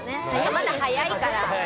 まだ早いから。